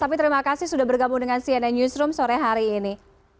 tapi terima kasih sudah bergabung dengan cnn newsroom sore hari ini